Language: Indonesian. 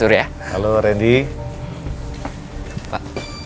tidak ada apa apa